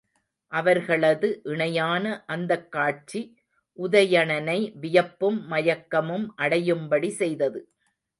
அவர்களது இணையான அந்தக் காட்சி உதயணனை வியப்பும் மயக்கமும் அடையும்படி செய்தது.